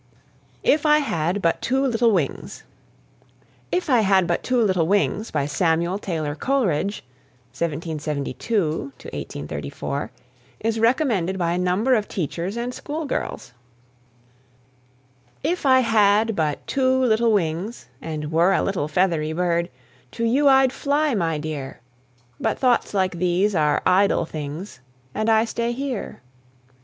IF I HAD BUT TWO LITTLE WINGS. "If I Had But Two Little Wings," by Samuel Taylor Coleridge (1772 1834), is recommended by a number of teachers and school girls. If I had but two little wings And were a little feathery bird, To you I'd fly, my dear! But thoughts like these are idle things And I stay here.